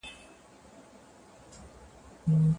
زړه مي نه وي د توبې د ماتولو